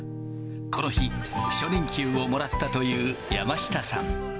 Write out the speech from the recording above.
この日、初任給をもらったという山下さん。